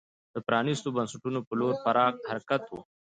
د پرانیستو بنسټونو په لور پراخ حرکت وي.